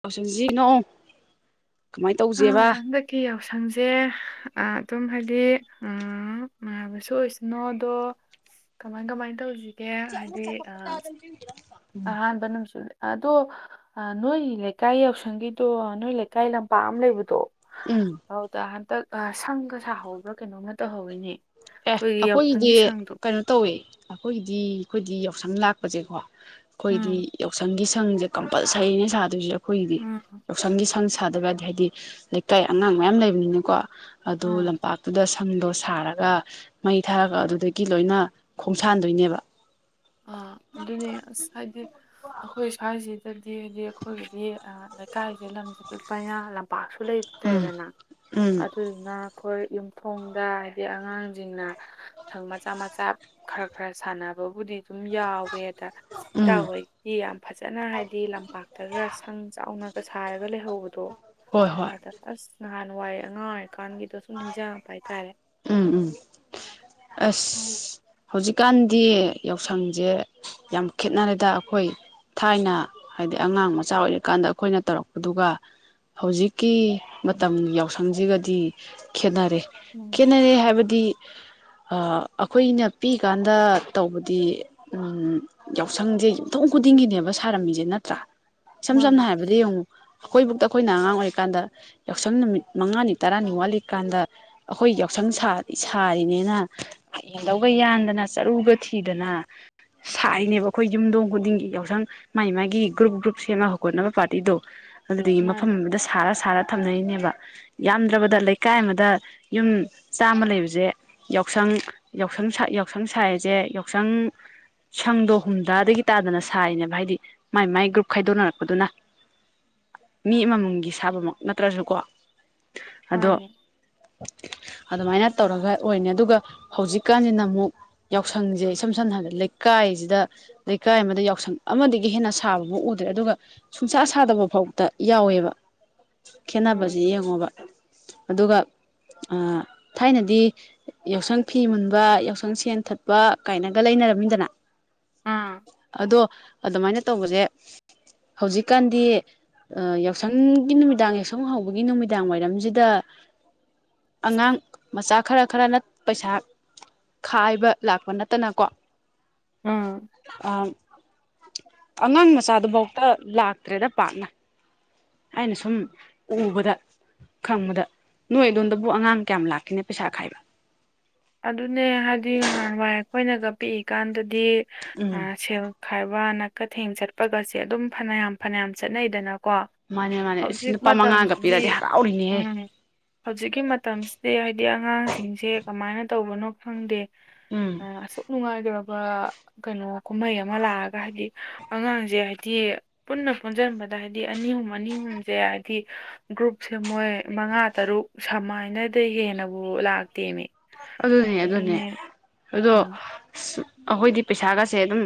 ꯇꯧꯁꯟꯁꯤꯅꯣ ꯀꯃꯥꯏꯅ ꯇꯧꯁꯦꯕ ꯀꯤ ꯌꯥꯎꯁꯪꯁꯦ ꯑꯗꯨꯝ ꯍꯥꯏꯗꯤ ꯃꯅꯥꯕꯁꯨ ꯑꯣꯏꯁꯅꯣ ꯑꯗꯣ ꯀꯃꯥꯏ ꯀꯃꯥꯏꯅ ꯇꯧ ꯍꯧꯖꯤ ꯆ ꯆꯈꯄꯠꯇꯥꯗ ꯏꯔꯝ ꯆꯥꯡ ꯑꯍꯥꯅꯕꯥ ꯅꯨꯃꯤꯠꯁꯨ ꯑꯗꯣ ꯅꯣꯏ ꯂꯩꯀꯥꯏ ꯌꯥꯎꯁꯪꯒꯤꯗꯣ ꯅꯣꯏ ꯂꯩꯀꯥꯏ ꯂꯝꯄꯥꯛ ꯑꯃ ꯂꯩꯕꯗꯣ ꯎꯝ ꯍꯧꯗ ꯍꯟꯗꯛ ꯁꯪꯒ ꯁꯥꯍꯧꯕ꯭ꯔꯥ ꯀꯩꯅꯣꯝꯅ ꯇꯧꯍꯧꯋꯤꯅꯦ ꯑꯦ ꯑꯩꯈꯣꯏꯒꯤ ꯑꯩꯈꯣꯏꯒꯤꯗꯤ ꯌꯥꯎꯁꯪꯒꯤ ꯁꯪꯗꯣ ꯀꯩꯅꯣ ꯇꯧꯋꯦ ꯑꯩꯈꯣꯏꯒꯤꯗꯤ ꯑꯩꯈꯣꯏꯗꯤ ꯌꯥꯎꯁꯪ ꯂꯥꯛꯄꯁꯦꯀꯣ ꯑꯩꯈꯣꯏꯗꯤ ꯎꯝ ꯌꯥꯎꯁꯪꯒꯤ ꯁꯪꯁꯦ ꯀꯝꯄꯜꯁꯔꯤꯅꯦ ꯁꯥꯗꯣꯏꯁꯦ ꯑꯩꯈꯣꯏꯒꯤꯗꯤ ꯎꯝ ꯌꯥꯎꯁꯪꯒꯤ ꯁꯪ ꯁꯥꯗꯕ ꯍꯥꯏꯗꯤ ꯍꯥꯏꯗꯤ ꯂꯩꯀꯥꯏ ꯑꯉꯥꯡ ꯃꯌꯥꯝ ꯂꯩꯕꯅꯤꯅꯀꯣ ꯑꯗꯨ ꯎꯝ ꯂꯝꯄꯥꯛꯇꯨꯗ ꯁꯪꯗꯣ ꯁꯥꯔꯒ ꯃꯩ ꯊꯥꯔꯒ ꯑꯗꯨꯗꯒꯤ ꯂꯣꯏꯅ ꯈꯣꯡꯁꯥꯟꯗꯣꯏꯅꯦꯕ ꯑ ꯑꯗꯨꯅꯦ ꯑꯁ ꯍꯥꯏꯗꯤ ꯑꯩꯈꯣꯏ ꯁ꯭ꯋꯥꯏꯁꯤꯗꯤ ꯑꯗꯨꯗꯤ ꯍꯥꯏꯗꯤ ꯑꯩꯈꯣꯏꯒꯤꯗꯤ ꯂꯩꯀꯥꯏꯁꯦ ꯂꯝꯁꯦ ꯄꯤꯛꯄꯅꯤꯅ ꯂꯝꯄꯥꯛꯁꯨ ꯂꯩꯕ ꯎꯝ ꯗꯅ ꯎꯝ ꯑꯗꯨꯅ ꯑꯩꯈꯣꯏ ꯌꯨꯝꯊꯣꯡꯗ ꯍꯥꯏꯗꯤ ꯑꯉꯥꯡꯁꯤꯡꯅ ꯁꯪ ꯃꯆꯥ ꯃꯆꯥ ꯈꯔ ꯈꯔ ꯁꯥꯟꯅꯕꯕꯨꯗꯤ ꯑꯗꯨꯝ ꯌꯥꯎꯋꯦꯗ ꯎꯝ ꯇꯧꯋꯦ ꯌꯥꯝ ꯐꯖꯅ ꯍꯥꯏꯗꯤ ꯂꯝꯄꯥꯛꯇꯒ ꯁꯪ ꯆꯥꯎꯅꯒ ꯁꯥꯔꯒ ꯂꯩꯍꯧꯕꯗꯣ ꯍꯣꯏ ꯍꯣꯏ ꯗ ꯑꯁ ꯅꯍꯥꯟꯋꯥꯏꯑ ꯑꯉꯥꯡ ꯑꯣꯏ ꯎꯝ ꯎꯝ ꯑꯁ ꯎꯝ ꯍꯧꯖꯤꯛꯀꯥꯟꯗꯤ ꯌꯥꯎꯁꯪꯁꯦ ꯌꯥꯝ ꯈꯦꯠꯅꯔꯦꯗ ꯑꯩꯈꯣꯏ ꯊꯥꯏꯅ ꯍꯥꯏꯗꯤ ꯑꯉꯥꯡ ꯃꯆꯥ ꯑꯣꯏꯔꯤꯀꯥꯟꯗ ꯑꯩꯈꯣꯏꯅ ꯇꯧꯔꯛꯄꯗꯨꯒ ꯍꯧꯖꯤꯛꯀꯤ ꯃꯇꯝ ꯌꯥꯎꯁꯪꯁꯤꯒꯗꯤ ꯈꯦꯅꯔꯦ ꯎꯝ ꯈꯦꯅꯔꯦ ꯍꯥꯏꯕꯗꯤ ꯑꯩꯈꯣꯏꯅ ꯄꯤꯛꯏꯀꯥꯟꯗ ꯇꯧꯕꯗꯤ ꯎꯝ ꯌꯥꯎꯁꯪꯁꯦ ꯌꯨꯝꯊꯣꯡ ꯈꯨꯗꯤꯡꯒꯤꯅꯦꯕ ꯁꯥꯔꯝꯃꯤꯁꯦ ꯅꯠꯇ꯭ꯔꯥ ꯏꯁꯝ ꯁꯝꯅ ꯃꯥꯅꯦ ꯍꯥꯏꯔꯕꯗ ꯌꯦꯡꯉꯨ ꯑꯩꯈꯣꯏꯕꯨꯛꯇ ꯑꯩꯈꯣꯏꯅ ꯑꯉꯥꯡ ꯑꯣꯏꯔꯤꯀꯥꯟꯗ ꯌꯥꯎꯁꯪ ꯅꯨꯃꯤꯠ ꯃꯉꯥꯅꯤ ꯇꯔꯥꯅꯤ ꯋꯥꯠꯂꯤꯀꯥꯟꯗ ꯑꯩꯈꯣꯏ ꯌꯥꯎꯁꯪ ꯁꯥꯔꯤꯅꯤꯅ ꯌꯦꯟꯗꯧꯒ ꯌꯥꯟꯗꯅ ꯆꯔꯨꯒ ꯊꯤꯗꯅ ꯁꯥꯏꯅꯦꯕ ꯑꯩꯈꯣꯏ ꯌꯨꯝꯊꯣꯡ ꯈꯨꯗꯤꯡꯒꯤ ꯌꯥꯎꯁꯪ ꯃꯥꯥꯏ ꯃꯥꯒꯤ ꯒ꯭ꯔꯨꯞ ꯒ꯭ꯔꯨꯞ ꯁꯦꯝꯃ ꯍꯧꯒꯠꯅꯕ ꯄꯥꯔꯇꯤꯗꯣ ꯑꯗꯨꯗꯒꯤ ꯃꯥꯅꯦ ꯃꯐꯝ ꯑꯃꯗ ꯁꯥꯔ ꯁꯥꯔ ꯊꯝꯅꯔꯤꯅꯦꯕ ꯌꯥꯝꯗ꯭ꯔꯕꯗ ꯎꯝ ꯏꯀꯥꯏ ꯑꯃꯗ ꯌꯨꯝ ꯆꯥꯝꯃ ꯂꯩꯕꯁꯦ ꯌꯥꯎꯁꯪ ꯌꯥꯎꯁꯪ ꯌꯥꯎꯁꯪ ꯁꯥꯏꯁꯦ ꯌꯥꯎꯁꯪ ꯁꯪꯗꯣ ꯍꯨꯝꯗ꯭ꯔꯥꯗꯒꯤ ꯇꯥꯗꯅ ꯁꯔꯤꯅꯦꯕ ꯍꯥꯏꯗꯤ ꯃꯥꯏ ꯃꯥꯏ ꯒ꯭ꯔꯨꯞ ꯈꯥꯏꯗꯣꯛꯅꯔꯛꯄꯗꯨꯅ ꯃꯤ ꯑꯃꯃꯝꯒꯤ ꯁꯥꯕꯃꯛ ꯅꯠꯇ꯭ꯔꯁꯨ ꯀꯣ ꯃꯥꯅꯦ ꯑꯗꯨꯃꯥꯏꯅ ꯇꯧꯔꯒ ꯑꯣꯏꯅꯤ ꯑꯗꯨꯒ ꯍꯧꯖꯤꯛꯀꯥꯟꯁꯤꯅ ꯑꯃꯨꯛ ꯌꯥꯎꯁꯪꯁꯦ ꯏꯁꯝ ꯁꯝꯅ ꯍꯥꯏꯔꯕꯗ ꯂꯩꯀꯥꯏꯁꯤꯗ ꯂꯩꯀꯥꯏ ꯑꯃꯗ ꯌꯥꯎꯁꯪ ꯑꯃꯗꯒꯤ ꯍꯦꯟꯅ ꯁꯥꯕꯃ ꯎꯗ꯭ꯔꯦ ꯑꯗꯨꯒ ꯁꯨꯡꯁꯥ ꯁꯥꯗꯕ ꯐꯥꯎꯗ ꯌꯥꯎꯋꯦꯕ ꯈꯦꯠꯅꯕꯁꯦ ꯎꯝ ꯌꯦꯡꯉꯣꯕ ꯑꯗꯨꯒ ꯊꯥꯏꯅꯗꯤ ꯌꯥꯎꯁꯪ ꯐꯤ ꯃꯨꯟꯕ ꯌꯥꯎꯁꯪ ꯁꯦꯟ ꯊꯠꯄ ꯀꯥꯏꯅꯒ ꯂꯩꯅꯔꯝꯃꯤꯗꯅ ꯑꯥ ꯑꯗꯣ ꯑꯗꯨꯃꯥꯏꯅ ꯇꯧꯕꯁꯦ ꯍꯧꯖꯤꯛꯀꯥꯟꯗꯤ ꯌꯥꯎꯁꯪꯒꯤ ꯅꯨꯃꯤꯗꯥꯡ ꯌꯥꯎꯁꯪ ꯍꯧꯕꯒꯤ ꯅꯨꯃꯤꯗꯥꯡ ꯋꯥꯏꯔꯝꯁꯤꯗ ꯑꯉꯥꯡ ꯃꯆꯥ ꯈꯔ ꯈꯔꯅ ꯄꯩꯁꯥ ꯈꯥꯏꯕ ꯂꯥꯛꯄ ꯅꯠꯇꯅꯀꯣ ꯎꯝ ꯑꯉꯥꯡ ꯃꯆꯥꯗꯨꯐꯧꯗ ꯂꯥꯛꯇ꯭ꯔꯦꯗ ꯄꯥꯛꯅ ꯍꯥꯏꯅ ꯁꯨꯝ ꯎꯕꯗ ꯈꯪꯕꯗ ꯅꯣꯏ ꯑꯗꯣꯝꯗꯕꯨ ꯑꯉꯥꯡ ꯀꯌꯥꯝ ꯂꯥꯛꯈꯤꯅꯦ ꯄꯩꯁꯥ ꯈꯥꯏꯕ ꯑꯗꯨꯅꯦ ꯍꯥꯏꯗꯤ ꯅꯍꯥꯟꯋꯥꯏ ꯑꯩꯈꯣꯏꯅꯒ ꯄꯤꯛꯏꯀꯥꯟꯗꯗꯤ ꯎꯝ ꯁꯦꯜ ꯈꯥꯏꯕ ꯅꯅꯥꯀꯊꯦꯡ ꯆꯠꯄꯒꯁꯦ ꯑꯗꯨꯝ ꯐꯅꯌꯥꯝ ꯐꯅꯌꯥꯝ ꯆꯠꯅꯩꯗꯅꯀꯣ ꯃꯥꯅꯦ ꯃꯥꯅꯦ ꯏꯁ ꯍꯧꯖꯤꯛ ꯂꯨꯄꯥ ꯃꯉꯥꯒ ꯃꯇꯝꯁꯤꯗꯤ ꯄꯤꯔꯗꯤ ꯍꯔꯥꯎꯔꯤꯅꯦꯍꯦ ꯎꯝ ꯍꯧꯖꯤꯛꯀꯤ ꯃꯇꯝꯁꯤꯗꯤ ꯍꯥꯏꯗꯤ ꯑꯉꯥꯡꯁꯤꯡꯁꯦ ꯀꯃꯥꯏꯅ ꯇꯧꯕꯅꯣ ꯈꯪꯗꯦ ꯑ ꯎꯝ ꯑꯁꯛ ꯅꯨꯡꯉꯥꯏ ꯀ ꯀꯩꯅꯣ ꯀꯨꯝꯍꯩ ꯑꯃ ꯂꯥꯛꯑꯒ ꯍꯥꯏꯗꯤ ꯑꯉꯥꯡꯁꯦ ꯍꯥꯏꯗꯤ ꯄꯨꯟꯅ ꯄꯨꯟꯁꯤꯟꯕꯗ ꯍꯥꯏꯕꯗꯤ ꯑꯅꯤ ꯑꯍꯨꯝ ꯑꯅꯤ ꯑꯍꯨꯝꯁꯦ ꯍꯥꯏꯕꯗꯤ ꯒ꯭ꯔꯨꯞꯁꯦ ꯃꯣꯏ ꯃꯉꯥ ꯇꯔꯨꯛ ꯁꯃꯥꯏꯅꯗ ꯍꯦꯟꯅꯕꯨ ꯂꯥꯛꯇꯦꯅꯦ ꯑꯗꯨꯅꯦ ꯑꯗꯨꯅꯦ ꯑꯗꯣ ꯑ ꯎꯝ ꯑꯩꯈꯣꯏꯗꯤ ꯄꯩꯁꯥꯒꯁꯦ ꯑꯗꯨꯝ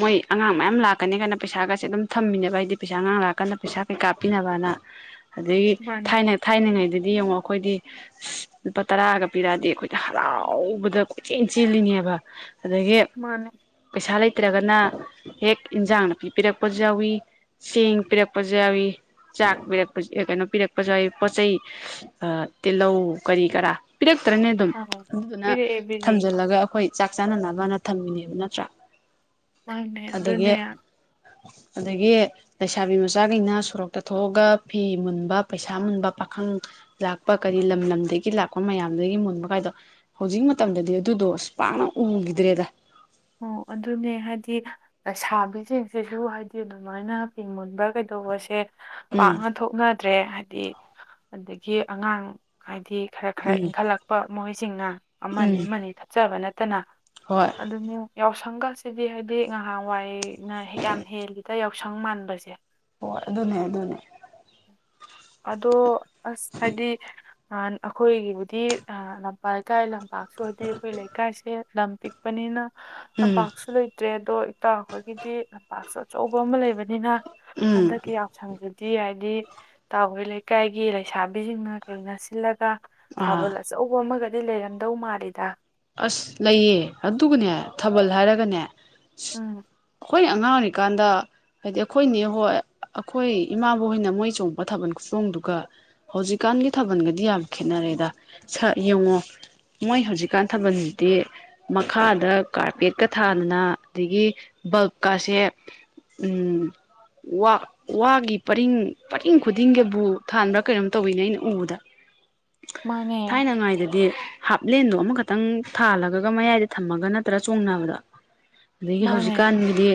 ꯃꯣꯏ ꯑꯉꯥꯡ ꯃꯌꯥꯝ ꯂꯥꯛꯀꯅꯤ ꯀꯥꯏꯅ ꯄꯩꯁꯥꯒꯁꯦ ꯑꯗꯨꯝ ꯊꯝꯃꯤꯕ ꯍꯥꯏꯗꯤ ꯄꯩꯁꯥ ꯑꯉꯥꯡ ꯂꯥꯛꯑꯀꯥꯟꯗ ꯄꯩꯁꯥ ꯀꯩ ꯀꯥꯞꯄꯤꯅꯕꯅ [unintelligible] ꯑꯗꯒꯤ ꯃꯥꯅꯦ ꯊꯥꯏꯅ ꯊꯥꯏꯅꯉꯩꯗꯗꯤ ꯌꯦꯡꯉꯣ ꯑꯩꯈꯣꯏꯗꯤ ꯑ ꯂꯨꯄꯥ ꯇꯔꯥꯒ ꯄꯤꯔꯛꯑꯗꯤꯦ ꯑꯩꯣꯏ ꯍꯔꯥꯎꯕꯗ ꯀꯣꯏꯆꯦꯜ ꯆꯦꯜꯂꯤꯉꯦꯕ ꯑꯗꯒꯤ ꯃꯥꯅꯦ ꯄꯩꯁꯥ ꯂꯩꯇ꯭ꯔꯒꯅ ꯍꯦꯛ ꯏꯟꯁꯥꯡꯅ ꯄꯤꯕꯤꯔꯛꯄꯁꯨ ꯌꯥꯎꯋꯤ ꯆꯦꯡ ꯄꯤꯔꯛꯄꯁꯨ ꯌꯥꯎꯏꯤ ꯆꯥꯛ ꯄꯤꯔꯛꯄ ꯀꯩꯅꯣ ꯄꯤꯔꯛꯄꯁꯨ ꯌꯥꯎꯏ ꯄꯣꯠ ꯆꯩ ꯇꯤꯜꯍꯧ ꯀꯔꯤ ꯀꯔꯥ ꯄꯤꯔꯛꯇ꯭ꯔꯅꯦ ꯑꯗꯨꯝ ꯃꯥꯅꯦ ꯑꯗꯨꯗꯨꯅ ꯄꯤꯔꯛꯑꯦ ꯄꯤꯔꯛꯑꯦ ꯊꯝꯖꯤꯜꯂꯒ ꯑꯩꯈꯣꯏ ꯆꯥꯛ ꯆꯥꯅꯅꯕꯅ ꯊꯝꯃꯤꯅꯦꯕ ꯅꯠꯇ꯭ꯔꯥ ꯃꯥꯅꯦ ꯑꯗꯒꯤ ꯑꯗꯨꯅꯦ ꯑꯗꯒꯤ ꯂꯩꯁꯥꯕꯤ ꯃꯆꯥꯈꯩꯅ ꯁꯣꯔꯣꯛꯇ ꯊꯣꯛꯑꯒ ꯐꯤ ꯃꯨꯟꯕ ꯄꯩꯁꯥ ꯃꯨꯟꯕ ꯄꯥꯈꯪ ꯂꯥꯛꯄ ꯀꯔꯤ ꯂꯝ ꯂꯝꯗꯒꯤ ꯂꯥꯛꯄ ꯃꯌꯥꯝꯗꯒꯤ ꯃꯨꯟꯕ ꯀꯥꯏꯗꯣ ꯍꯧꯖꯤꯛ ꯃꯇꯝꯗꯗꯤ ꯑꯗꯨꯗꯣ ꯑꯁ ꯄꯥꯛꯅ ꯎꯈꯤꯗ꯭ꯔꯦꯗ ꯑꯣ ꯑꯗꯨꯅꯦ ꯍꯥꯏꯗꯤ ꯁꯥꯕꯤꯁꯤꯡꯁꯤꯁꯨ ꯍꯥꯏꯗꯤ ꯑꯗꯨꯃꯥꯏꯅ ꯄꯤꯡ ꯃꯨꯟꯕ ꯀꯩꯗꯧꯕꯁꯦ ꯎꯝ ꯄꯥꯛꯅ ꯊꯣꯛꯅꯗ꯭ꯔꯦ ꯍꯥꯏꯗꯤ ꯑꯗꯒꯤ ꯑꯉꯥꯡ ꯍꯥꯏꯗꯤ ꯈꯔ ꯈꯔ ꯎꯝ ꯏꯪꯈꯠꯂꯛꯄ ꯃꯣꯏꯁꯤꯡꯅ ꯎꯝ ꯑꯃꯅꯤ ꯑꯃꯅꯤ ꯊꯠꯆꯕ ꯅꯠꯇꯅ ꯍꯣꯏ ꯑꯗꯨꯅꯤ ꯌꯥꯎꯁꯪꯒꯁꯤꯗꯤ ꯍꯥꯏꯗꯤ ꯉꯍꯥꯟꯋꯥꯏꯅ ꯌꯥꯝ ꯍꯦꯜꯂꯤꯗ ꯌꯥꯎꯁꯪ ꯃꯥꯟꯕꯁꯦ ꯍꯣꯏ ꯑꯗꯨꯅꯦ ꯑꯗꯨꯅꯦ ꯑꯗꯣ ꯑꯁ ꯍꯥꯏꯗꯤ ꯑꯩꯈꯣꯏꯒꯤꯕꯨꯗꯤ ꯂꯝꯄꯥꯛꯇꯥꯥꯏ ꯂꯝ ꯂꯝꯄꯥꯛ ꯁꯨ ꯂꯩꯇꯦ ꯑꯩꯈꯣꯏ ꯂꯩꯀꯥꯏꯁꯦ ꯂꯝ ꯄꯤꯛꯄꯅꯤꯅ ꯎꯝ ꯂꯝꯄꯥꯛꯁꯨ ꯂꯩꯇꯦ ꯇꯔꯦꯗꯣ ꯏꯇ ꯈꯣꯏꯒꯤꯗꯤ ꯂꯝꯄꯥꯛꯁꯨ ꯑꯆꯧꯕ ꯑꯃ ꯂꯩꯕꯅꯤꯅ ꯎꯝ ꯍꯟꯗꯛꯀꯤ ꯌꯥꯎ ꯁꯪꯖꯤꯗꯤ ꯍꯥꯏꯗꯤ ꯏꯇꯥꯥꯎꯍꯣꯏ ꯂꯩꯀꯥꯏꯒꯤ ꯂꯩꯁꯥꯕꯤꯁꯤꯡꯅ ꯀꯩꯅ ꯁꯤꯜꯂꯒ ꯑꯥ ꯊꯥꯕꯜ ꯑꯆꯧꯕ ꯑꯃꯒꯗꯤ ꯂꯩꯔꯝꯗꯧ ꯃꯥꯜꯂꯤꯗ ꯑꯁ ꯂꯩꯌꯦ ꯑꯗꯨꯒꯅꯦ ꯊꯥꯕꯜ ꯍꯥꯏꯔꯒꯅꯦ ꯎꯝ ꯑꯩꯈꯣꯏꯅ ꯑꯉꯥꯡ ꯑꯣꯏꯔꯤꯀꯥꯟꯗ ꯍꯥꯏꯗꯤ ꯑꯩꯈꯣꯏꯅꯦ ꯍꯣꯏ ꯑꯩꯈꯣꯏ ꯏꯃꯥꯕꯣꯛ ꯍꯣꯏꯅ ꯃꯣꯏ ꯆꯣꯡꯄ ꯊꯥꯕꯜ ꯈꯨꯆꯣꯡꯗꯨꯒ ꯍꯧꯖꯤꯛꯀꯥꯟꯒꯤ ꯊꯥꯕꯜꯒꯗꯤ ꯌꯥꯝ ꯈꯦꯠꯅꯔꯦꯗ ꯁ ꯌꯦꯡꯉꯣ ꯃꯣꯏ ꯍꯧꯖꯤꯛꯀꯥꯟ ꯊꯥꯕꯜꯗꯤ ꯃꯈꯥꯗ ꯀꯥꯔꯄꯦꯠꯀ ꯊꯥꯗꯅ ꯑꯗꯒꯤ ꯕꯜꯕꯀꯁꯦ ꯎꯝ ꯋꯥ ꯋꯥꯒꯤ ꯄꯔꯤꯡ ꯄꯔꯤꯡ ꯈꯨꯗꯤꯡꯒꯤꯕꯨ ꯊꯥꯟꯕ꯭ꯔꯥ ꯀꯩꯅꯣꯝ ꯇꯧꯋꯤꯅꯦ ꯑꯩꯅ ꯎꯕꯗ ꯃꯥꯅꯦ ꯊꯥꯏꯅꯉꯥꯏꯗꯗꯤ ꯍꯥꯞꯂꯦꯟꯗꯣ ꯑꯃꯈꯛ ꯇꯪ ꯊꯥꯜꯂꯒ ꯃꯌꯥꯏꯗ ꯊꯝꯃꯒ ꯅꯠꯇ꯭ꯔ ꯆꯣꯡꯅꯕꯗꯣ ꯑꯗꯒꯤ ꯃꯥꯅꯦ ꯍꯧꯖꯤꯛꯀꯥꯟꯒꯤꯗꯤ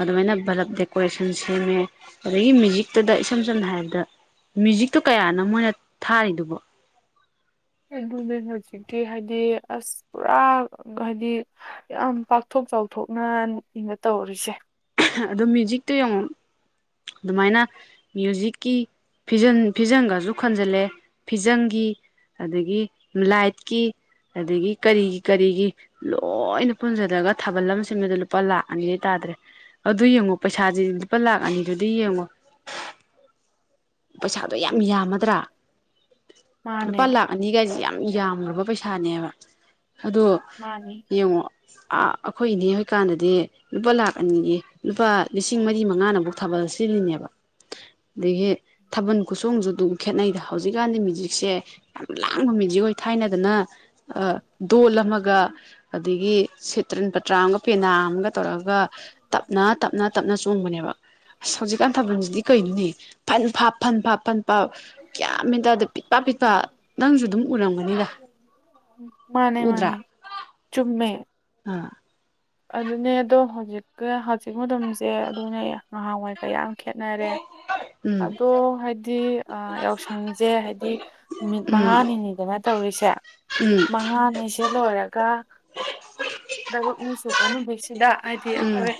ꯑꯗꯨꯃꯥꯏꯅ ꯕꯂꯞ ꯗꯦꯀꯣꯔꯦꯁꯟ ꯁꯦꯝꯃꯦ ꯑꯗꯒꯤ ꯃ꯭ꯌꯨꯖꯤꯛꯇꯗ ꯏꯁꯝ ꯁꯝꯅ ꯍꯥꯏꯔꯕꯗ ꯃ꯭ꯌꯨꯖꯤꯛꯇꯣ ꯀꯌꯥꯅꯣ ꯃꯣꯏꯅ ꯊꯥꯔꯤꯗꯨꯕꯣ ꯑꯗꯨꯅꯦ ꯍꯧꯖꯤꯛꯇꯤ ꯍꯥꯏꯗꯤ ꯑꯁ ꯄꯨꯔꯥ ꯍꯥꯏꯗꯤ ꯌꯥꯝ ꯄꯥꯛ ꯄꯥꯛꯊꯣꯛ ꯆꯥꯎꯊꯣꯛꯅ ꯏꯅ ꯇꯧꯔꯤꯁꯦ ꯑꯗꯨꯝ ꯃ꯭ꯌꯨꯖꯤꯛꯇꯣ ꯌꯦꯡꯉꯣ ꯑꯗꯨꯃꯥꯏꯅ ꯃ꯭ꯌꯨꯖꯤꯛꯀꯤ ꯐꯤꯖꯟ ꯐꯤꯖꯪꯒꯁꯨ ꯈꯟꯖꯤꯜꯂꯦ ꯐꯤꯖꯪꯒꯤ ꯑꯗꯒꯤ ꯂꯥꯏꯠꯀꯤ ꯑꯗꯒꯤ ꯀꯔꯤꯒꯤ ꯀꯔꯤꯒꯤ ꯂꯣꯏꯅ ꯄꯨꯟꯖꯟꯂꯒ ꯊꯥꯕꯜ ꯑꯃ ꯁꯤꯟꯕꯗ ꯂꯨꯄꯥ ꯂꯥꯛ ꯑꯅꯤ ꯗꯩ ꯇꯥꯗ꯭ꯔꯦ ꯑꯗꯨ ꯌꯦꯡꯉꯣ ꯄꯩꯁꯥꯁꯤ ꯂꯨꯄꯥ ꯂꯥꯛ ꯑꯅꯤꯗꯨꯗꯤ ꯌꯦꯡꯉꯣ ꯄꯩꯁꯥꯗꯣ ꯌꯥꯝ ꯌꯥꯝꯃꯗ꯭ꯔꯥ ꯂꯨꯄꯥ ꯃꯥꯅꯦ ꯂꯥꯛ ꯑꯅꯤꯒꯥꯏꯁꯤ ꯌꯥꯝ ꯌꯥꯝꯒꯔꯕ ꯄꯩꯁꯥꯅꯦꯕ ꯑꯗꯣ ꯃꯥꯅꯦ ꯌꯦꯡꯉꯣ ꯑ ꯑꯩꯈꯣꯏ ꯏꯅꯦ ꯍꯣꯏ ꯀꯥꯟꯗꯗꯤ ꯂꯨꯄꯥ ꯂꯥꯛ ꯑꯅꯤꯌꯦ ꯂꯨꯄꯥ ꯂꯤꯁꯤꯡ ꯃꯔꯤ ꯃꯉꯥꯅ ꯅꯕꯩꯛ ꯊꯥꯕꯜ ꯁꯤꯜꯂꯤꯅꯦꯕ ꯑꯗꯒꯤ ꯊꯥꯕꯜ ꯈꯨꯆꯣꯡꯁꯨ ꯑꯗꯨꯝ ꯈꯦꯠꯅꯩꯗ ꯍꯧꯖꯤꯛꯀꯥꯟꯗꯤ ꯃꯌꯨꯖꯤꯛꯁꯦ ꯌꯥꯝ ꯂꯥꯡꯕ ꯃ꯭ꯌꯨꯖꯤꯛ ꯑꯣꯏ ꯊꯥꯏꯅꯗꯅ ꯑ ꯗꯣꯜ ꯑꯃꯒ ꯑꯗꯒꯤ ꯁꯤꯇ꯭ꯔꯟ ꯄꯇ꯭ꯔꯥ ꯑꯃꯒ ꯄꯦꯅꯥ ꯑꯃꯒ ꯇꯧꯔꯒ ꯇꯞꯅ ꯇꯞꯅ ꯇꯞꯅ ꯆꯣꯡꯕꯅꯦꯕ ꯑꯁ ꯍꯧꯖꯤꯛꯀꯥꯟ ꯊꯥꯕꯜꯁꯤꯗꯤ ꯀꯩꯅꯣꯅꯦ ꯐꯟ ꯐꯥ ꯐꯟ ꯐꯟ ꯄꯥꯞ ꯐꯟꯐꯞ ꯒꯌꯥꯟ ꯃꯦꯟ ꯇꯥꯗꯦ ꯄꯤꯠꯄ ꯄꯤꯛꯄ ꯅꯪꯁꯨ ꯑꯗꯨꯝ ꯎꯔꯝꯒꯅꯤꯗ ꯃꯥꯅꯦ ꯎꯗ꯭ꯔꯥ ꯃꯥꯅꯦ ꯆꯨꯝꯃꯦ ꯑꯥ ꯑꯗꯨꯅꯦ ꯑꯗꯣ ꯍꯧꯖꯤꯛꯀ ꯍꯧꯖꯤꯛ ꯃꯇꯝꯁꯦ ꯑꯗꯨꯅꯦ ꯉꯍꯥꯟꯋꯥꯏꯒ ꯌꯥꯝ ꯈꯦꯠꯅꯔꯦ ꯎꯝ ꯑꯗꯣ ꯍꯥꯏꯗꯤ ꯑꯥ ꯌꯥꯎꯁꯪꯁꯦ ꯍꯥꯏꯗꯤ ꯅꯨꯃꯤꯠ ꯎꯝ ꯃꯉꯥꯅꯤꯅꯤꯗꯅ ꯇꯧꯔꯤꯁꯦ ꯎꯝ ꯑꯉꯥꯅꯤꯁꯦ ꯂꯣꯏꯔꯒ ꯇꯔꯨꯛ ꯅꯤ ꯁꯨꯕ ꯅꯨꯃꯤꯠꯁꯤꯗ ꯍꯥꯏꯗꯤ ꯎꯝ ꯑꯩꯈꯣꯏ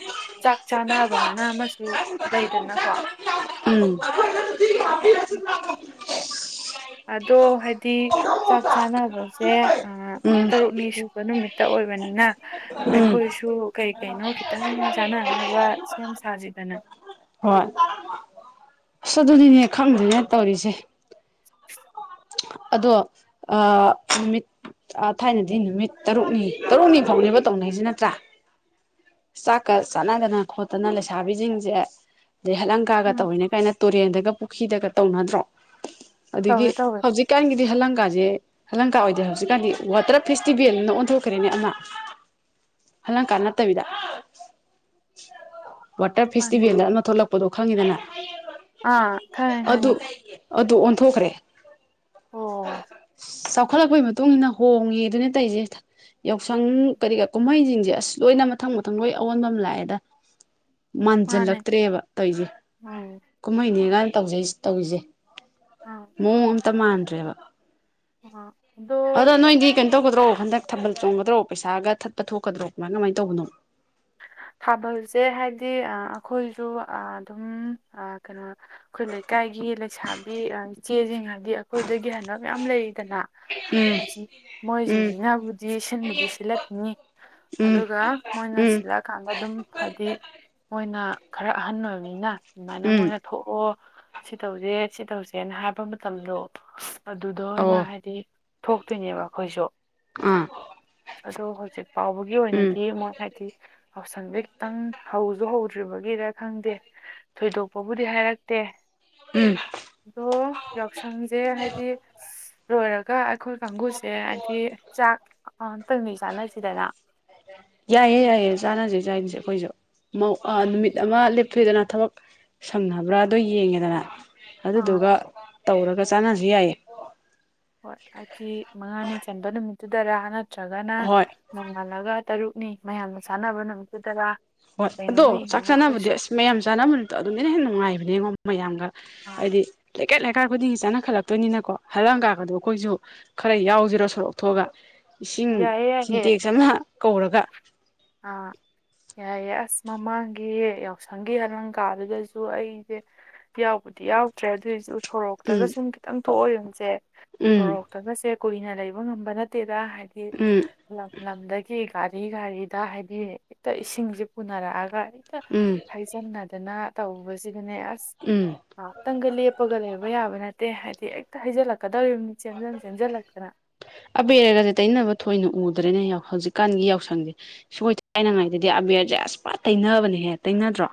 ꯆꯥꯛ ꯆꯥꯅꯕ ꯍꯥꯏꯅ ꯑꯃꯁꯨ ꯂꯩꯗꯅꯀꯣ ꯑ [inaudible] ꯑꯗꯣ ꯍꯥꯏꯗꯤ ꯆꯥꯛ ꯆꯥꯅꯕꯁꯦ ꯎꯝ ꯇꯔꯨꯛꯅꯤ ꯁ ꯅꯨꯃꯤꯠꯇ ꯑꯣꯏꯕꯅꯤꯅ ꯎꯝ ꯑꯩꯈꯣꯏꯁꯨ ꯀ ꯀꯩꯅꯣ ꯈꯤꯇꯪꯡ ꯆꯥꯟꯅꯅꯕ ꯁꯦꯝ ꯁꯥꯁꯤꯗꯅ ꯍꯣꯏ ꯑꯁ ꯑꯗꯨꯗꯤꯅꯦ ꯈꯪꯗꯣꯏꯅꯦ ꯇꯧꯔꯤꯁꯦ [inaudible] ꯑꯗꯣ ꯑ ꯅꯨꯃꯤꯠ ꯊꯥꯏꯅꯗꯤ ꯅꯨꯃꯤꯠ ꯇꯔꯨꯛꯅꯤ ꯇꯔꯨꯛꯅꯤ ꯐꯥꯎꯅꯦꯕ ꯇꯧꯅꯔꯤꯁꯤ ꯅꯠꯇ꯭ꯔꯥ ꯆꯥꯛꯀ ꯆꯥꯟꯅꯗꯅ ꯈꯣꯠꯇꯅ ꯂꯩꯁꯥꯕꯤꯁꯤꯡꯁꯦ ꯑꯗꯩ ꯍꯠꯂꯪꯀꯥꯒ ꯎꯝ ꯇꯧꯔꯤꯅ ꯀꯥꯏꯅ ꯇꯨꯔꯦꯟꯗꯒ ꯄꯨꯈ꯭ꯔꯤꯗꯒ ꯇꯧꯅꯗ꯭ꯔꯣ ꯑꯗꯒꯤ ꯇꯧꯋꯦ ꯇꯧꯋꯦ ꯍꯧꯖꯤꯛ ꯏꯀꯥꯟꯒꯤꯗꯤ ꯍꯂꯪꯒꯥꯥꯁꯦ ꯍꯂꯪꯀꯥ ꯑꯣꯏꯗ꯭ꯔꯦ ꯍꯧꯖꯤꯛꯀꯥꯟꯗꯤ ꯋꯥꯇꯔ ꯐꯦꯁꯇꯤꯚꯦꯜꯅ ꯑꯣꯟꯊꯣꯛꯈ꯭ꯔꯦꯅꯦ ꯑꯃ ꯍꯂꯪ ꯀꯅꯥ ꯇꯕꯤꯗ ꯋꯥꯇꯔ ꯃꯥꯅꯦ ꯐꯦꯁꯇꯤꯚꯦꯜꯗ ꯑꯃ ꯊꯣꯛꯂꯛꯄꯗꯣ ꯈꯪꯉꯤꯗꯅ ꯑꯥ ꯈꯉꯦ ꯑꯗꯨ ꯈꯪꯉꯦ ꯑꯗꯨ ꯑꯣꯟꯊꯣꯛꯈ꯭ꯔꯦ ꯑꯣ ꯆꯥꯎꯈꯠꯂꯛꯄꯒꯤ ꯃꯇꯨꯡ ꯏꯟꯅ ꯍꯣꯡꯉꯦ ꯑꯗꯨꯅ ꯇꯧꯁꯦ ꯌꯥꯎꯁꯪ ꯀꯔꯤ ꯀ ꯀꯨꯝꯍꯩꯁꯤꯡꯁꯦ ꯑꯁ ꯂꯣꯏꯅ ꯃꯊꯪ ꯃꯊꯪ ꯂꯣꯏ ꯑꯑꯣꯟꯕ ꯑꯃ ꯂꯥꯛꯑꯦꯗ ꯃꯥꯅꯦ ꯃꯥꯟꯁꯤꯜꯂꯛꯇ꯭ꯔꯦꯕ ꯇꯧꯁꯦ ꯎꯝ ꯀꯨꯝꯍꯩꯅꯦ ꯀꯥꯏꯅ ꯇꯧꯖꯩ ꯇꯧꯔꯤꯁꯦ ꯑꯥ ꯃꯑꯣꯡ ꯑꯝꯇ ꯃꯥꯟꯗ꯭ꯔꯦꯕ ꯑꯥ ꯑꯗꯣ ꯑꯗ ꯅꯣꯣꯏꯗꯤ ꯀꯩꯅꯣ ꯇꯧꯗ꯭ꯔꯣ ꯍꯟꯗ ꯊꯕꯜ ꯆꯣꯡꯗ꯭ꯔꯣ ꯄꯩꯥ ꯊꯄ ꯊꯣꯛꯀꯗ꯭ꯔꯣ ꯀꯃꯥꯏ ꯀꯃꯥꯏ ꯇꯧꯕꯅꯣ ꯊꯥꯕꯜꯁꯦ ꯍꯥꯏꯕꯗꯤ ꯑꯩꯈꯣꯏꯁꯨ ꯑꯗꯨꯝ ꯀꯩꯅꯣ ꯑꯩꯈꯣꯏ ꯂꯩꯀꯥꯏꯒꯤ ꯂꯩꯁꯥꯕꯤ ꯏꯆꯦꯁꯤꯡ ꯍꯥꯏꯗꯤ ꯑꯩꯈꯣꯏꯗꯒꯤ ꯍꯕ ꯃꯌꯥꯝ ꯂꯩꯗꯅ ꯎꯝ ꯑꯁꯤ ꯎꯝ ꯃꯣꯏꯁꯤꯡꯁꯤꯅꯕꯨꯗꯤ ꯁꯤꯟꯕꯗꯤ ꯁꯤꯠꯂꯛꯀꯅꯤ ꯎꯝ ꯑꯗꯨꯒ ꯎꯝ ꯃꯣꯏꯅꯁꯤ ꯎꯝ ꯆꯠ ꯀꯥꯟꯗ ꯑꯗꯨꯝ ꯍꯥꯏꯗꯤ ꯃꯣꯏꯅ ꯈꯔ ꯑꯍꯟ ꯑꯣꯏꯕꯅꯤꯅ ꯑꯗꯨꯃꯥꯏꯅ ꯎꯝ ꯃꯣꯏ ꯊꯣꯛꯑꯣ ꯁꯤ ꯇꯧꯁꯦ ꯁꯤ ꯇꯧꯁꯦꯅ ꯍꯥꯏꯕ ꯃꯇꯝꯗꯣ ꯑꯗꯨꯗ ꯑꯣꯏꯅ ꯑꯣ ꯍꯥꯏꯗꯤ ꯊꯣꯛꯇꯣꯏꯅꯦꯕ ꯑꯩꯈꯣꯏꯁꯨ ꯎ ꯑꯗꯣ ꯍꯧꯖꯤꯛ ꯐꯥꯎꯕꯒꯤ ꯎꯝ ꯑꯣꯏꯅꯗꯤ ꯃꯣꯏ ꯍꯥꯏꯗꯤ ꯌꯥꯎꯁꯪꯗ ꯈꯤꯇꯪ ꯍꯧꯁꯨ ꯍꯧꯗ꯭ꯔꯤꯕꯒꯤꯔ ꯈꯪꯗꯦ ꯊꯣꯏꯗꯣꯛꯄꯕꯨꯗꯤ ꯍꯥꯏꯔꯛꯇꯦ꯫ ꯎꯝ ꯑꯗꯣ ꯌꯥꯎꯁꯪꯁꯦ ꯍꯥꯏꯗꯤ-ꯁꯤ-ꯂꯣꯏꯔꯒ ꯀ ꯑꯩꯈꯣꯏ ꯀꯥꯡꯒꯨꯁꯦ ꯍꯥꯏꯗꯤ ꯆꯥꯛ ꯑꯇꯪꯗꯤ ꯆꯥꯅꯁꯤꯗꯅ꯫ ꯌꯥꯏꯌꯦ-ꯌꯥꯏꯌꯦ-ꯆꯥꯅꯁꯦ ꯆꯥꯥꯅꯁꯦ ꯑꯩꯈꯣꯏꯁꯨ ꯃꯧ-ꯑ-ꯅꯨꯃꯤꯠ ꯑꯃ ꯂꯦꯞꯊꯣꯛꯑꯦꯗꯅ ꯊꯕꯛ ꯁꯝꯅꯕ꯭ꯔꯥ ꯑꯗꯣ ꯌꯦꯡꯉꯦꯗꯅ ꯑꯥ ꯑꯗꯨꯗꯨꯒ ꯇꯧꯔꯒ ꯆꯥꯟꯅꯔꯁꯨ ꯌꯥꯏꯌꯦ꯫ ꯍꯣꯏ ꯍꯥꯏꯗꯤ ꯃꯉꯥꯅꯤ ꯆꯟꯕ ꯅꯨꯃꯤꯠꯇꯨꯗꯔꯥ ꯅꯠꯇ꯭ꯔꯒꯅ ꯍꯣꯏ ꯅꯣꯡꯉꯥꯜꯂꯒ ꯇꯔꯨꯛꯅꯤ ꯃꯌꯥꯝꯅ ꯆꯥꯟꯅꯕ ꯅꯨꯃꯤꯠꯇꯨꯗ꯭ꯔꯥ? ꯍꯣꯏ ꯑꯗꯣ ꯆꯥꯛ ꯆꯥꯅꯕꯗꯤ ꯑꯁ ꯃꯌꯥꯝ ꯆꯥꯅꯕ ꯅꯨꯃꯤꯗꯣ ꯑꯗꯨꯗꯅ ꯍꯦꯟꯅ ꯅꯨꯡꯉꯥꯏꯕꯅꯦꯉꯣ ꯃꯌꯥꯝꯒ꯫ ꯑꯥ ꯍꯥꯏꯗꯤ ꯂꯩꯀꯥꯏ-ꯂꯩꯀꯥꯏ ꯈꯨꯗꯤꯡꯒꯤ ꯆꯥꯅꯈꯠꯂꯛꯇꯣꯏꯅꯤꯅꯀꯣ ꯍꯜꯂꯪꯀꯀꯗꯣ ꯑꯩꯈꯣꯏꯁꯨ ꯈꯔ ꯌꯥꯎꯁꯤꯔꯣ ꯁꯣꯔꯣꯛꯊꯣꯛꯑꯒ ꯏꯁꯤꯡ ꯌꯥꯏꯌꯦ ꯌꯥꯏꯌꯦ ꯁꯤꯟꯇꯦꯛꯁ ꯑꯃ ꯀꯧꯔꯒ꯫ ꯑꯥ ꯌꯥꯏꯌꯦ ꯑꯁ ꯃꯃꯥꯡꯒꯤ ꯌꯥꯎꯁꯪꯒꯤ ꯍꯂꯪꯀꯥꯗꯨꯗꯁꯨ ꯑꯩꯁꯦ ꯌꯥꯎꯕꯨꯗꯤ ꯌꯥꯎꯗ꯭ꯔꯦ ꯑꯗꯨꯑꯣꯏꯁꯨ ꯎꯊꯣꯔꯛ ꯎꯝ [unintelligible] ꯁꯨꯝ ꯈꯤꯇꯪ ꯊꯣꯛꯑ ꯌꯦꯡꯕꯁꯦ ꯎꯝ ꯁꯣꯔꯣꯛꯇꯒꯁꯦ ꯀꯨꯏꯅ ꯂꯩꯕ ꯉꯝꯕ ꯅꯠꯇꯦꯗ ꯍꯥꯏꯗꯤ ꯎꯝ ꯂꯝ ꯂꯝꯗꯒꯤ ꯒꯥꯔꯤ-ꯒꯥꯔꯤ ꯍꯦꯛꯇ ꯍꯥꯏꯗꯤ ꯍꯦꯛꯇ ꯏꯁꯤꯡꯁꯦ ꯄꯨꯅꯔꯛꯑꯒ ꯏꯛꯇ ꯎꯝ ꯍꯩꯖꯤꯟꯅꯗꯅ ꯇꯧꯕꯁꯤꯗꯅꯦ ꯑꯁ ꯎꯝ ꯉꯥꯛꯇꯪꯒ ꯂꯦꯞꯄꯒ ꯂꯩꯕ ꯌꯥꯕ ꯅꯠꯇꯦ ꯍꯥꯏꯗꯤ ꯍꯦꯛꯇ ꯍꯩꯖꯤꯜꯂꯛꯀꯗꯧꯔꯤꯕꯅꯤ ꯆꯦꯟꯖꯟ ꯆꯦꯟꯁꯤꯜꯂꯛꯇꯅ ꯑꯕꯦꯔꯒꯁꯦ ꯇꯩꯅꯕ ꯊꯣꯏꯅ ꯎꯗ꯭ꯔꯦꯅꯦ ꯍꯧꯖꯤꯛꯀꯥꯟꯒꯤ ꯌꯥꯎꯁꯪꯁꯦ [unintelligible] ꯊꯥꯏꯅꯉꯩꯗꯗꯤ ꯑꯕꯦꯔꯁꯦ ꯑꯁ ꯄꯥ ꯇꯩꯅꯕꯅꯦꯍꯦ ꯇꯩꯅꯗ꯭ꯔꯣ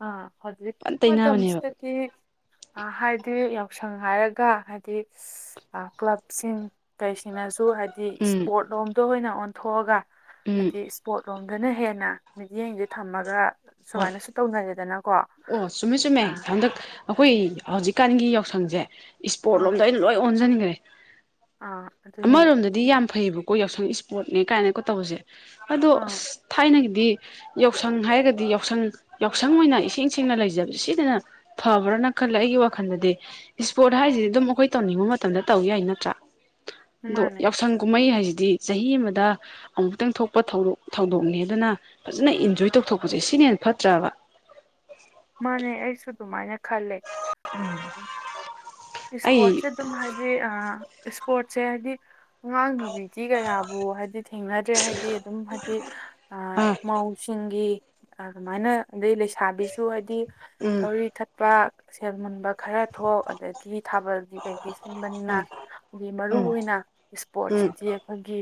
ꯑ ꯍꯧꯖꯤꯛ ꯐꯟ ꯇꯩꯅꯕꯅꯦꯕ ꯃꯇꯝꯁꯤꯗ ꯀꯤ ꯍꯥꯏꯗꯤ ꯌꯥꯎꯁꯪ ꯍꯥꯏꯔꯒ ꯍꯥꯏꯗꯤ ꯑ ꯀ꯭ꯂꯕꯁꯤꯡ ꯀꯩꯁꯤꯡꯅꯁꯨ ꯍꯥꯏꯗꯤ ꯎꯝ ꯏꯁꯄꯣꯔꯠ ꯂꯣꯝꯗ ꯑꯣꯏꯅ ꯑꯣꯟꯊꯣꯛꯑꯒ ꯎꯝ ꯍꯥꯏꯗꯤ ꯄꯣꯠ ꯔꯣꯝꯗꯅ ꯍꯦꯟꯅ ꯃꯤꯠꯌꯦꯡꯁꯦ ꯊꯝꯃꯒ ꯍꯣꯏ ꯁꯨꯃꯥꯏꯅꯁꯨ ꯇꯧꯅꯔꯦꯗꯅꯀꯣ ꯑꯣ ꯆꯨꯝꯃꯦ-ꯆꯨꯝꯃꯦ ꯍꯟꯗꯛ ꯑꯩꯈꯣꯏ ꯍꯧꯖꯤꯛꯀꯥꯟꯒꯤ ꯌꯥꯎꯁꯪꯁꯦ ꯏꯁ꯭ꯄꯣꯔꯠ ꯑꯥ ꯂꯣꯝꯗ ꯑꯩꯏꯅ ꯂꯣꯏ ꯑꯣꯟꯁꯤꯟꯈ꯭ꯔꯦ ꯑꯥ ꯑꯗꯨꯅꯦ ꯑꯃꯔꯣꯝꯗꯗꯤ ꯌꯥꯝ ꯑꯗꯨ- ꯐꯩꯕ ꯑꯩꯈꯣꯏ ꯌꯥꯎꯁꯪ ꯏꯁ꯭ꯄꯣꯔꯠꯅꯦ ꯀꯥꯏꯅꯀꯣ ꯇꯧꯁꯦ ꯑꯗꯣ ꯑꯥ ꯑꯁ ꯊꯥꯏꯅꯒꯤꯗꯤ ꯌꯥꯎꯁꯪ ꯍꯥꯏꯔꯒꯗꯤ ꯌꯥꯎꯁꯪ-ꯌꯥꯎꯁꯪ ꯑꯣꯏꯅ ꯏꯁꯦꯡ ꯁꯦꯡꯅ ꯂꯩꯖꯕꯁꯦ ꯁꯤꯗꯅ ꯐꯕ꯭ꯔꯥꯅ ꯈꯜꯂꯦ ꯑꯩꯒꯤ ꯋꯥꯈꯜꯗꯗꯤ ꯏꯁ꯭ꯄꯣꯔꯠ ꯍꯥꯏꯁꯤꯗꯤ ꯑꯗꯨꯝ ꯑꯩꯈꯣꯏ ꯇꯧꯅꯤꯡꯕ ꯃꯇꯝꯗ ꯇꯧ ꯌꯥꯏ ꯅꯠꯇ꯭ꯔꯥ ꯑꯗꯣ ꯃꯥꯅꯦ ꯌꯥꯎꯁꯪ ꯀꯨꯝꯍꯩ ꯍꯥꯏꯁꯤꯗꯤ ꯆꯍꯤ ꯑꯃꯗ ꯑꯃꯨꯛꯇꯪ ꯊꯣꯛꯄ ꯊꯧꯗꯣꯛ-ꯊꯧꯗꯣꯛꯅꯦ ꯑꯗꯨꯅ ꯐꯖꯅ ꯏꯟꯖꯣꯏ ꯇꯧꯊꯣꯛꯄꯁꯦ ꯁꯤꯅ ꯍꯦꯟꯅ ꯐꯠꯇ꯭ꯔꯕ ꯃꯥꯅꯦ ꯑꯩꯁꯨ ꯑꯗꯨꯃꯥꯏꯅ ꯈꯜꯂꯦ ꯎꯝ [unintelligible] ꯏꯁ꯭ꯄꯣꯔꯠꯁꯦ ꯑꯗꯨꯝ ꯍꯥꯏꯗꯤ ꯑ ꯏꯁ꯭ꯄꯣꯔꯠꯁꯦ ꯍꯥꯏꯗꯤ ꯑꯉꯥꯡ ꯅꯨꯕꯤꯗꯤ ꯀꯌꯥꯕꯨ ꯍꯥꯏꯗꯤ ꯊꯦꯡꯅꯗ꯭ꯔꯦ ꯍꯥꯏꯗꯤ ꯑꯗꯨꯝ ꯍꯥꯏꯗꯤ ꯑ ꯑꯥ ꯃꯧꯁꯤꯡꯒꯤ ꯑꯗꯨꯃꯥꯏꯅ ꯑꯗꯩ ꯂꯩꯁꯥꯕꯤꯁꯨ ꯍꯥꯏꯗꯤ ꯎꯝ ꯊꯧꯔꯤ ꯊꯠ ꯄ ꯁꯦꯟ ꯃꯨꯟꯕ ꯈꯔ ꯊꯣꯛ ꯑꯗꯒꯤ ꯊꯥꯕꯜꯗꯤ ꯀꯩ ꯁꯤꯟꯕꯅꯤꯅ ꯎꯝ ꯑꯩꯈꯣꯏꯒꯤ ꯎꯝ ꯃꯔꯨꯏꯑꯣꯏꯅ ꯎꯝ ꯏꯁ꯭ꯄꯣꯔꯠꯁꯤꯗꯤ ꯑꯩꯈꯣꯏꯒꯤ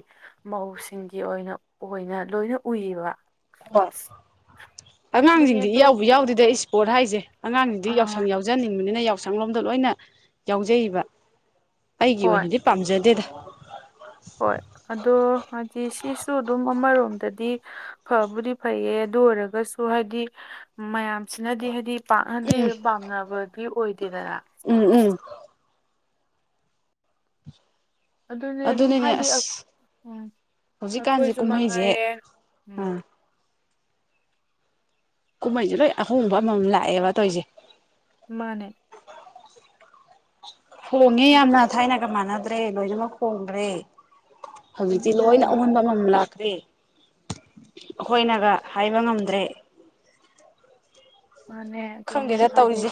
ꯃꯧꯁꯤꯡꯒꯤ ꯑꯣꯏꯅ-ꯑꯣꯏꯅ ꯂꯣꯏꯅ ꯎꯏꯌꯦꯕ ꯍꯣꯏ ꯑꯗꯨꯅꯦ ꯑꯉꯥꯡꯁꯤꯡꯗꯤ ꯑꯗꯣ ꯏꯌꯥꯎꯕꯨ ꯌꯥꯎꯗꯦꯗ ꯏꯁ꯭ꯄꯣꯔꯠ ꯍꯥꯏꯁꯦ ꯑꯉꯥꯡꯁꯤꯡꯗꯤ ꯑ ꯌꯥꯎꯁꯪ ꯌꯥꯎ ꯖꯅꯤꯡꯕꯅꯤꯅ ꯌꯥꯎꯁꯪ ꯂꯣꯝꯗ ꯂꯣꯏꯅ ꯌꯥꯎꯖꯩꯌꯦꯕ ꯑꯩꯒꯤ ꯍꯣꯏ ꯑꯣꯏꯅꯗꯤ ꯄꯥꯝꯖꯗꯦꯗ ꯍꯣꯏ ꯑꯗꯣ ꯍꯥꯏꯗꯤ ꯁꯤꯁꯨ ꯑꯗꯨꯝ ꯑꯃꯔꯣꯝꯗꯗꯤ ꯐꯕꯨꯗꯤ ꯐꯩꯌꯦ ꯑꯗꯨ ꯑꯣꯏꯔꯒꯁꯨ ꯁꯣ ꯍꯥꯏꯗꯤ ꯃꯌꯥꯝꯁꯤꯅꯗꯤ ꯍꯥꯏꯗꯤ ꯄꯥꯛꯅꯗꯤ ꯎꯝ ꯄꯥꯝꯅꯕꯗꯤ ꯑꯣꯏꯗꯦꯗꯅ ꯎꯝ ꯎꯝ ꯑꯗꯨꯅꯦ ꯑꯗꯨꯝ ꯑꯗꯨꯅꯤꯅꯦ ꯍꯥꯏꯗꯤ ꯑꯁ ꯎꯝ ꯍꯧꯖꯤꯛꯀꯥꯟꯁꯦ ꯑꯩꯈꯣꯏꯁꯨ ꯀꯨꯝꯍꯩꯁꯦ ꯃꯉꯥꯏꯔꯦ ꯎꯝ ꯑ ꯀꯨꯝꯍꯩꯁꯦ ꯂꯣꯏ ꯑꯍꯣꯡꯕ ꯑꯃꯃꯝ ꯂꯥꯛꯑꯦꯕ ꯇꯧꯔꯤꯁꯦ ꯃꯥꯅꯦ ꯍꯣꯡꯉꯦ ꯑꯗꯨ ꯌꯥꯝꯅ ꯊꯥꯏꯅꯒ ꯃꯥꯟꯅꯗ꯭ꯔꯦ ꯂꯣꯏꯅꯃꯛ ꯍꯣꯡꯈ꯭ꯔꯦ ꯑꯗꯨꯅꯦ ꯍꯧꯖꯤꯛꯇꯤ ꯂꯣꯏꯅ ꯑꯗꯨꯝ ꯑꯑꯣꯟꯕ ꯑꯃꯝ ꯂꯥꯛꯈ꯭ꯔꯦ ꯑꯩꯈꯣꯏꯅꯒ ꯍꯥꯏꯕ ꯉꯝꯗ꯭ꯔꯦ ꯃꯅꯦ ꯈꯪꯗꯦꯗ ꯇꯧꯔꯤꯁꯦ